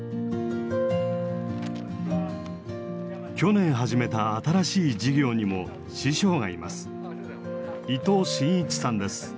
去年始めた新しい事業にも師匠がいます。